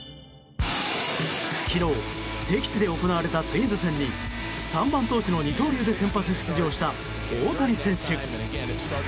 昨日、敵地で行われたツインズ戦に３番投手の二刀流で先発出場した大谷選手。